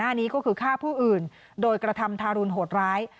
นี้ก็คือฆ่าผู้อื่นโดยกระทำทารุณโหดร้าย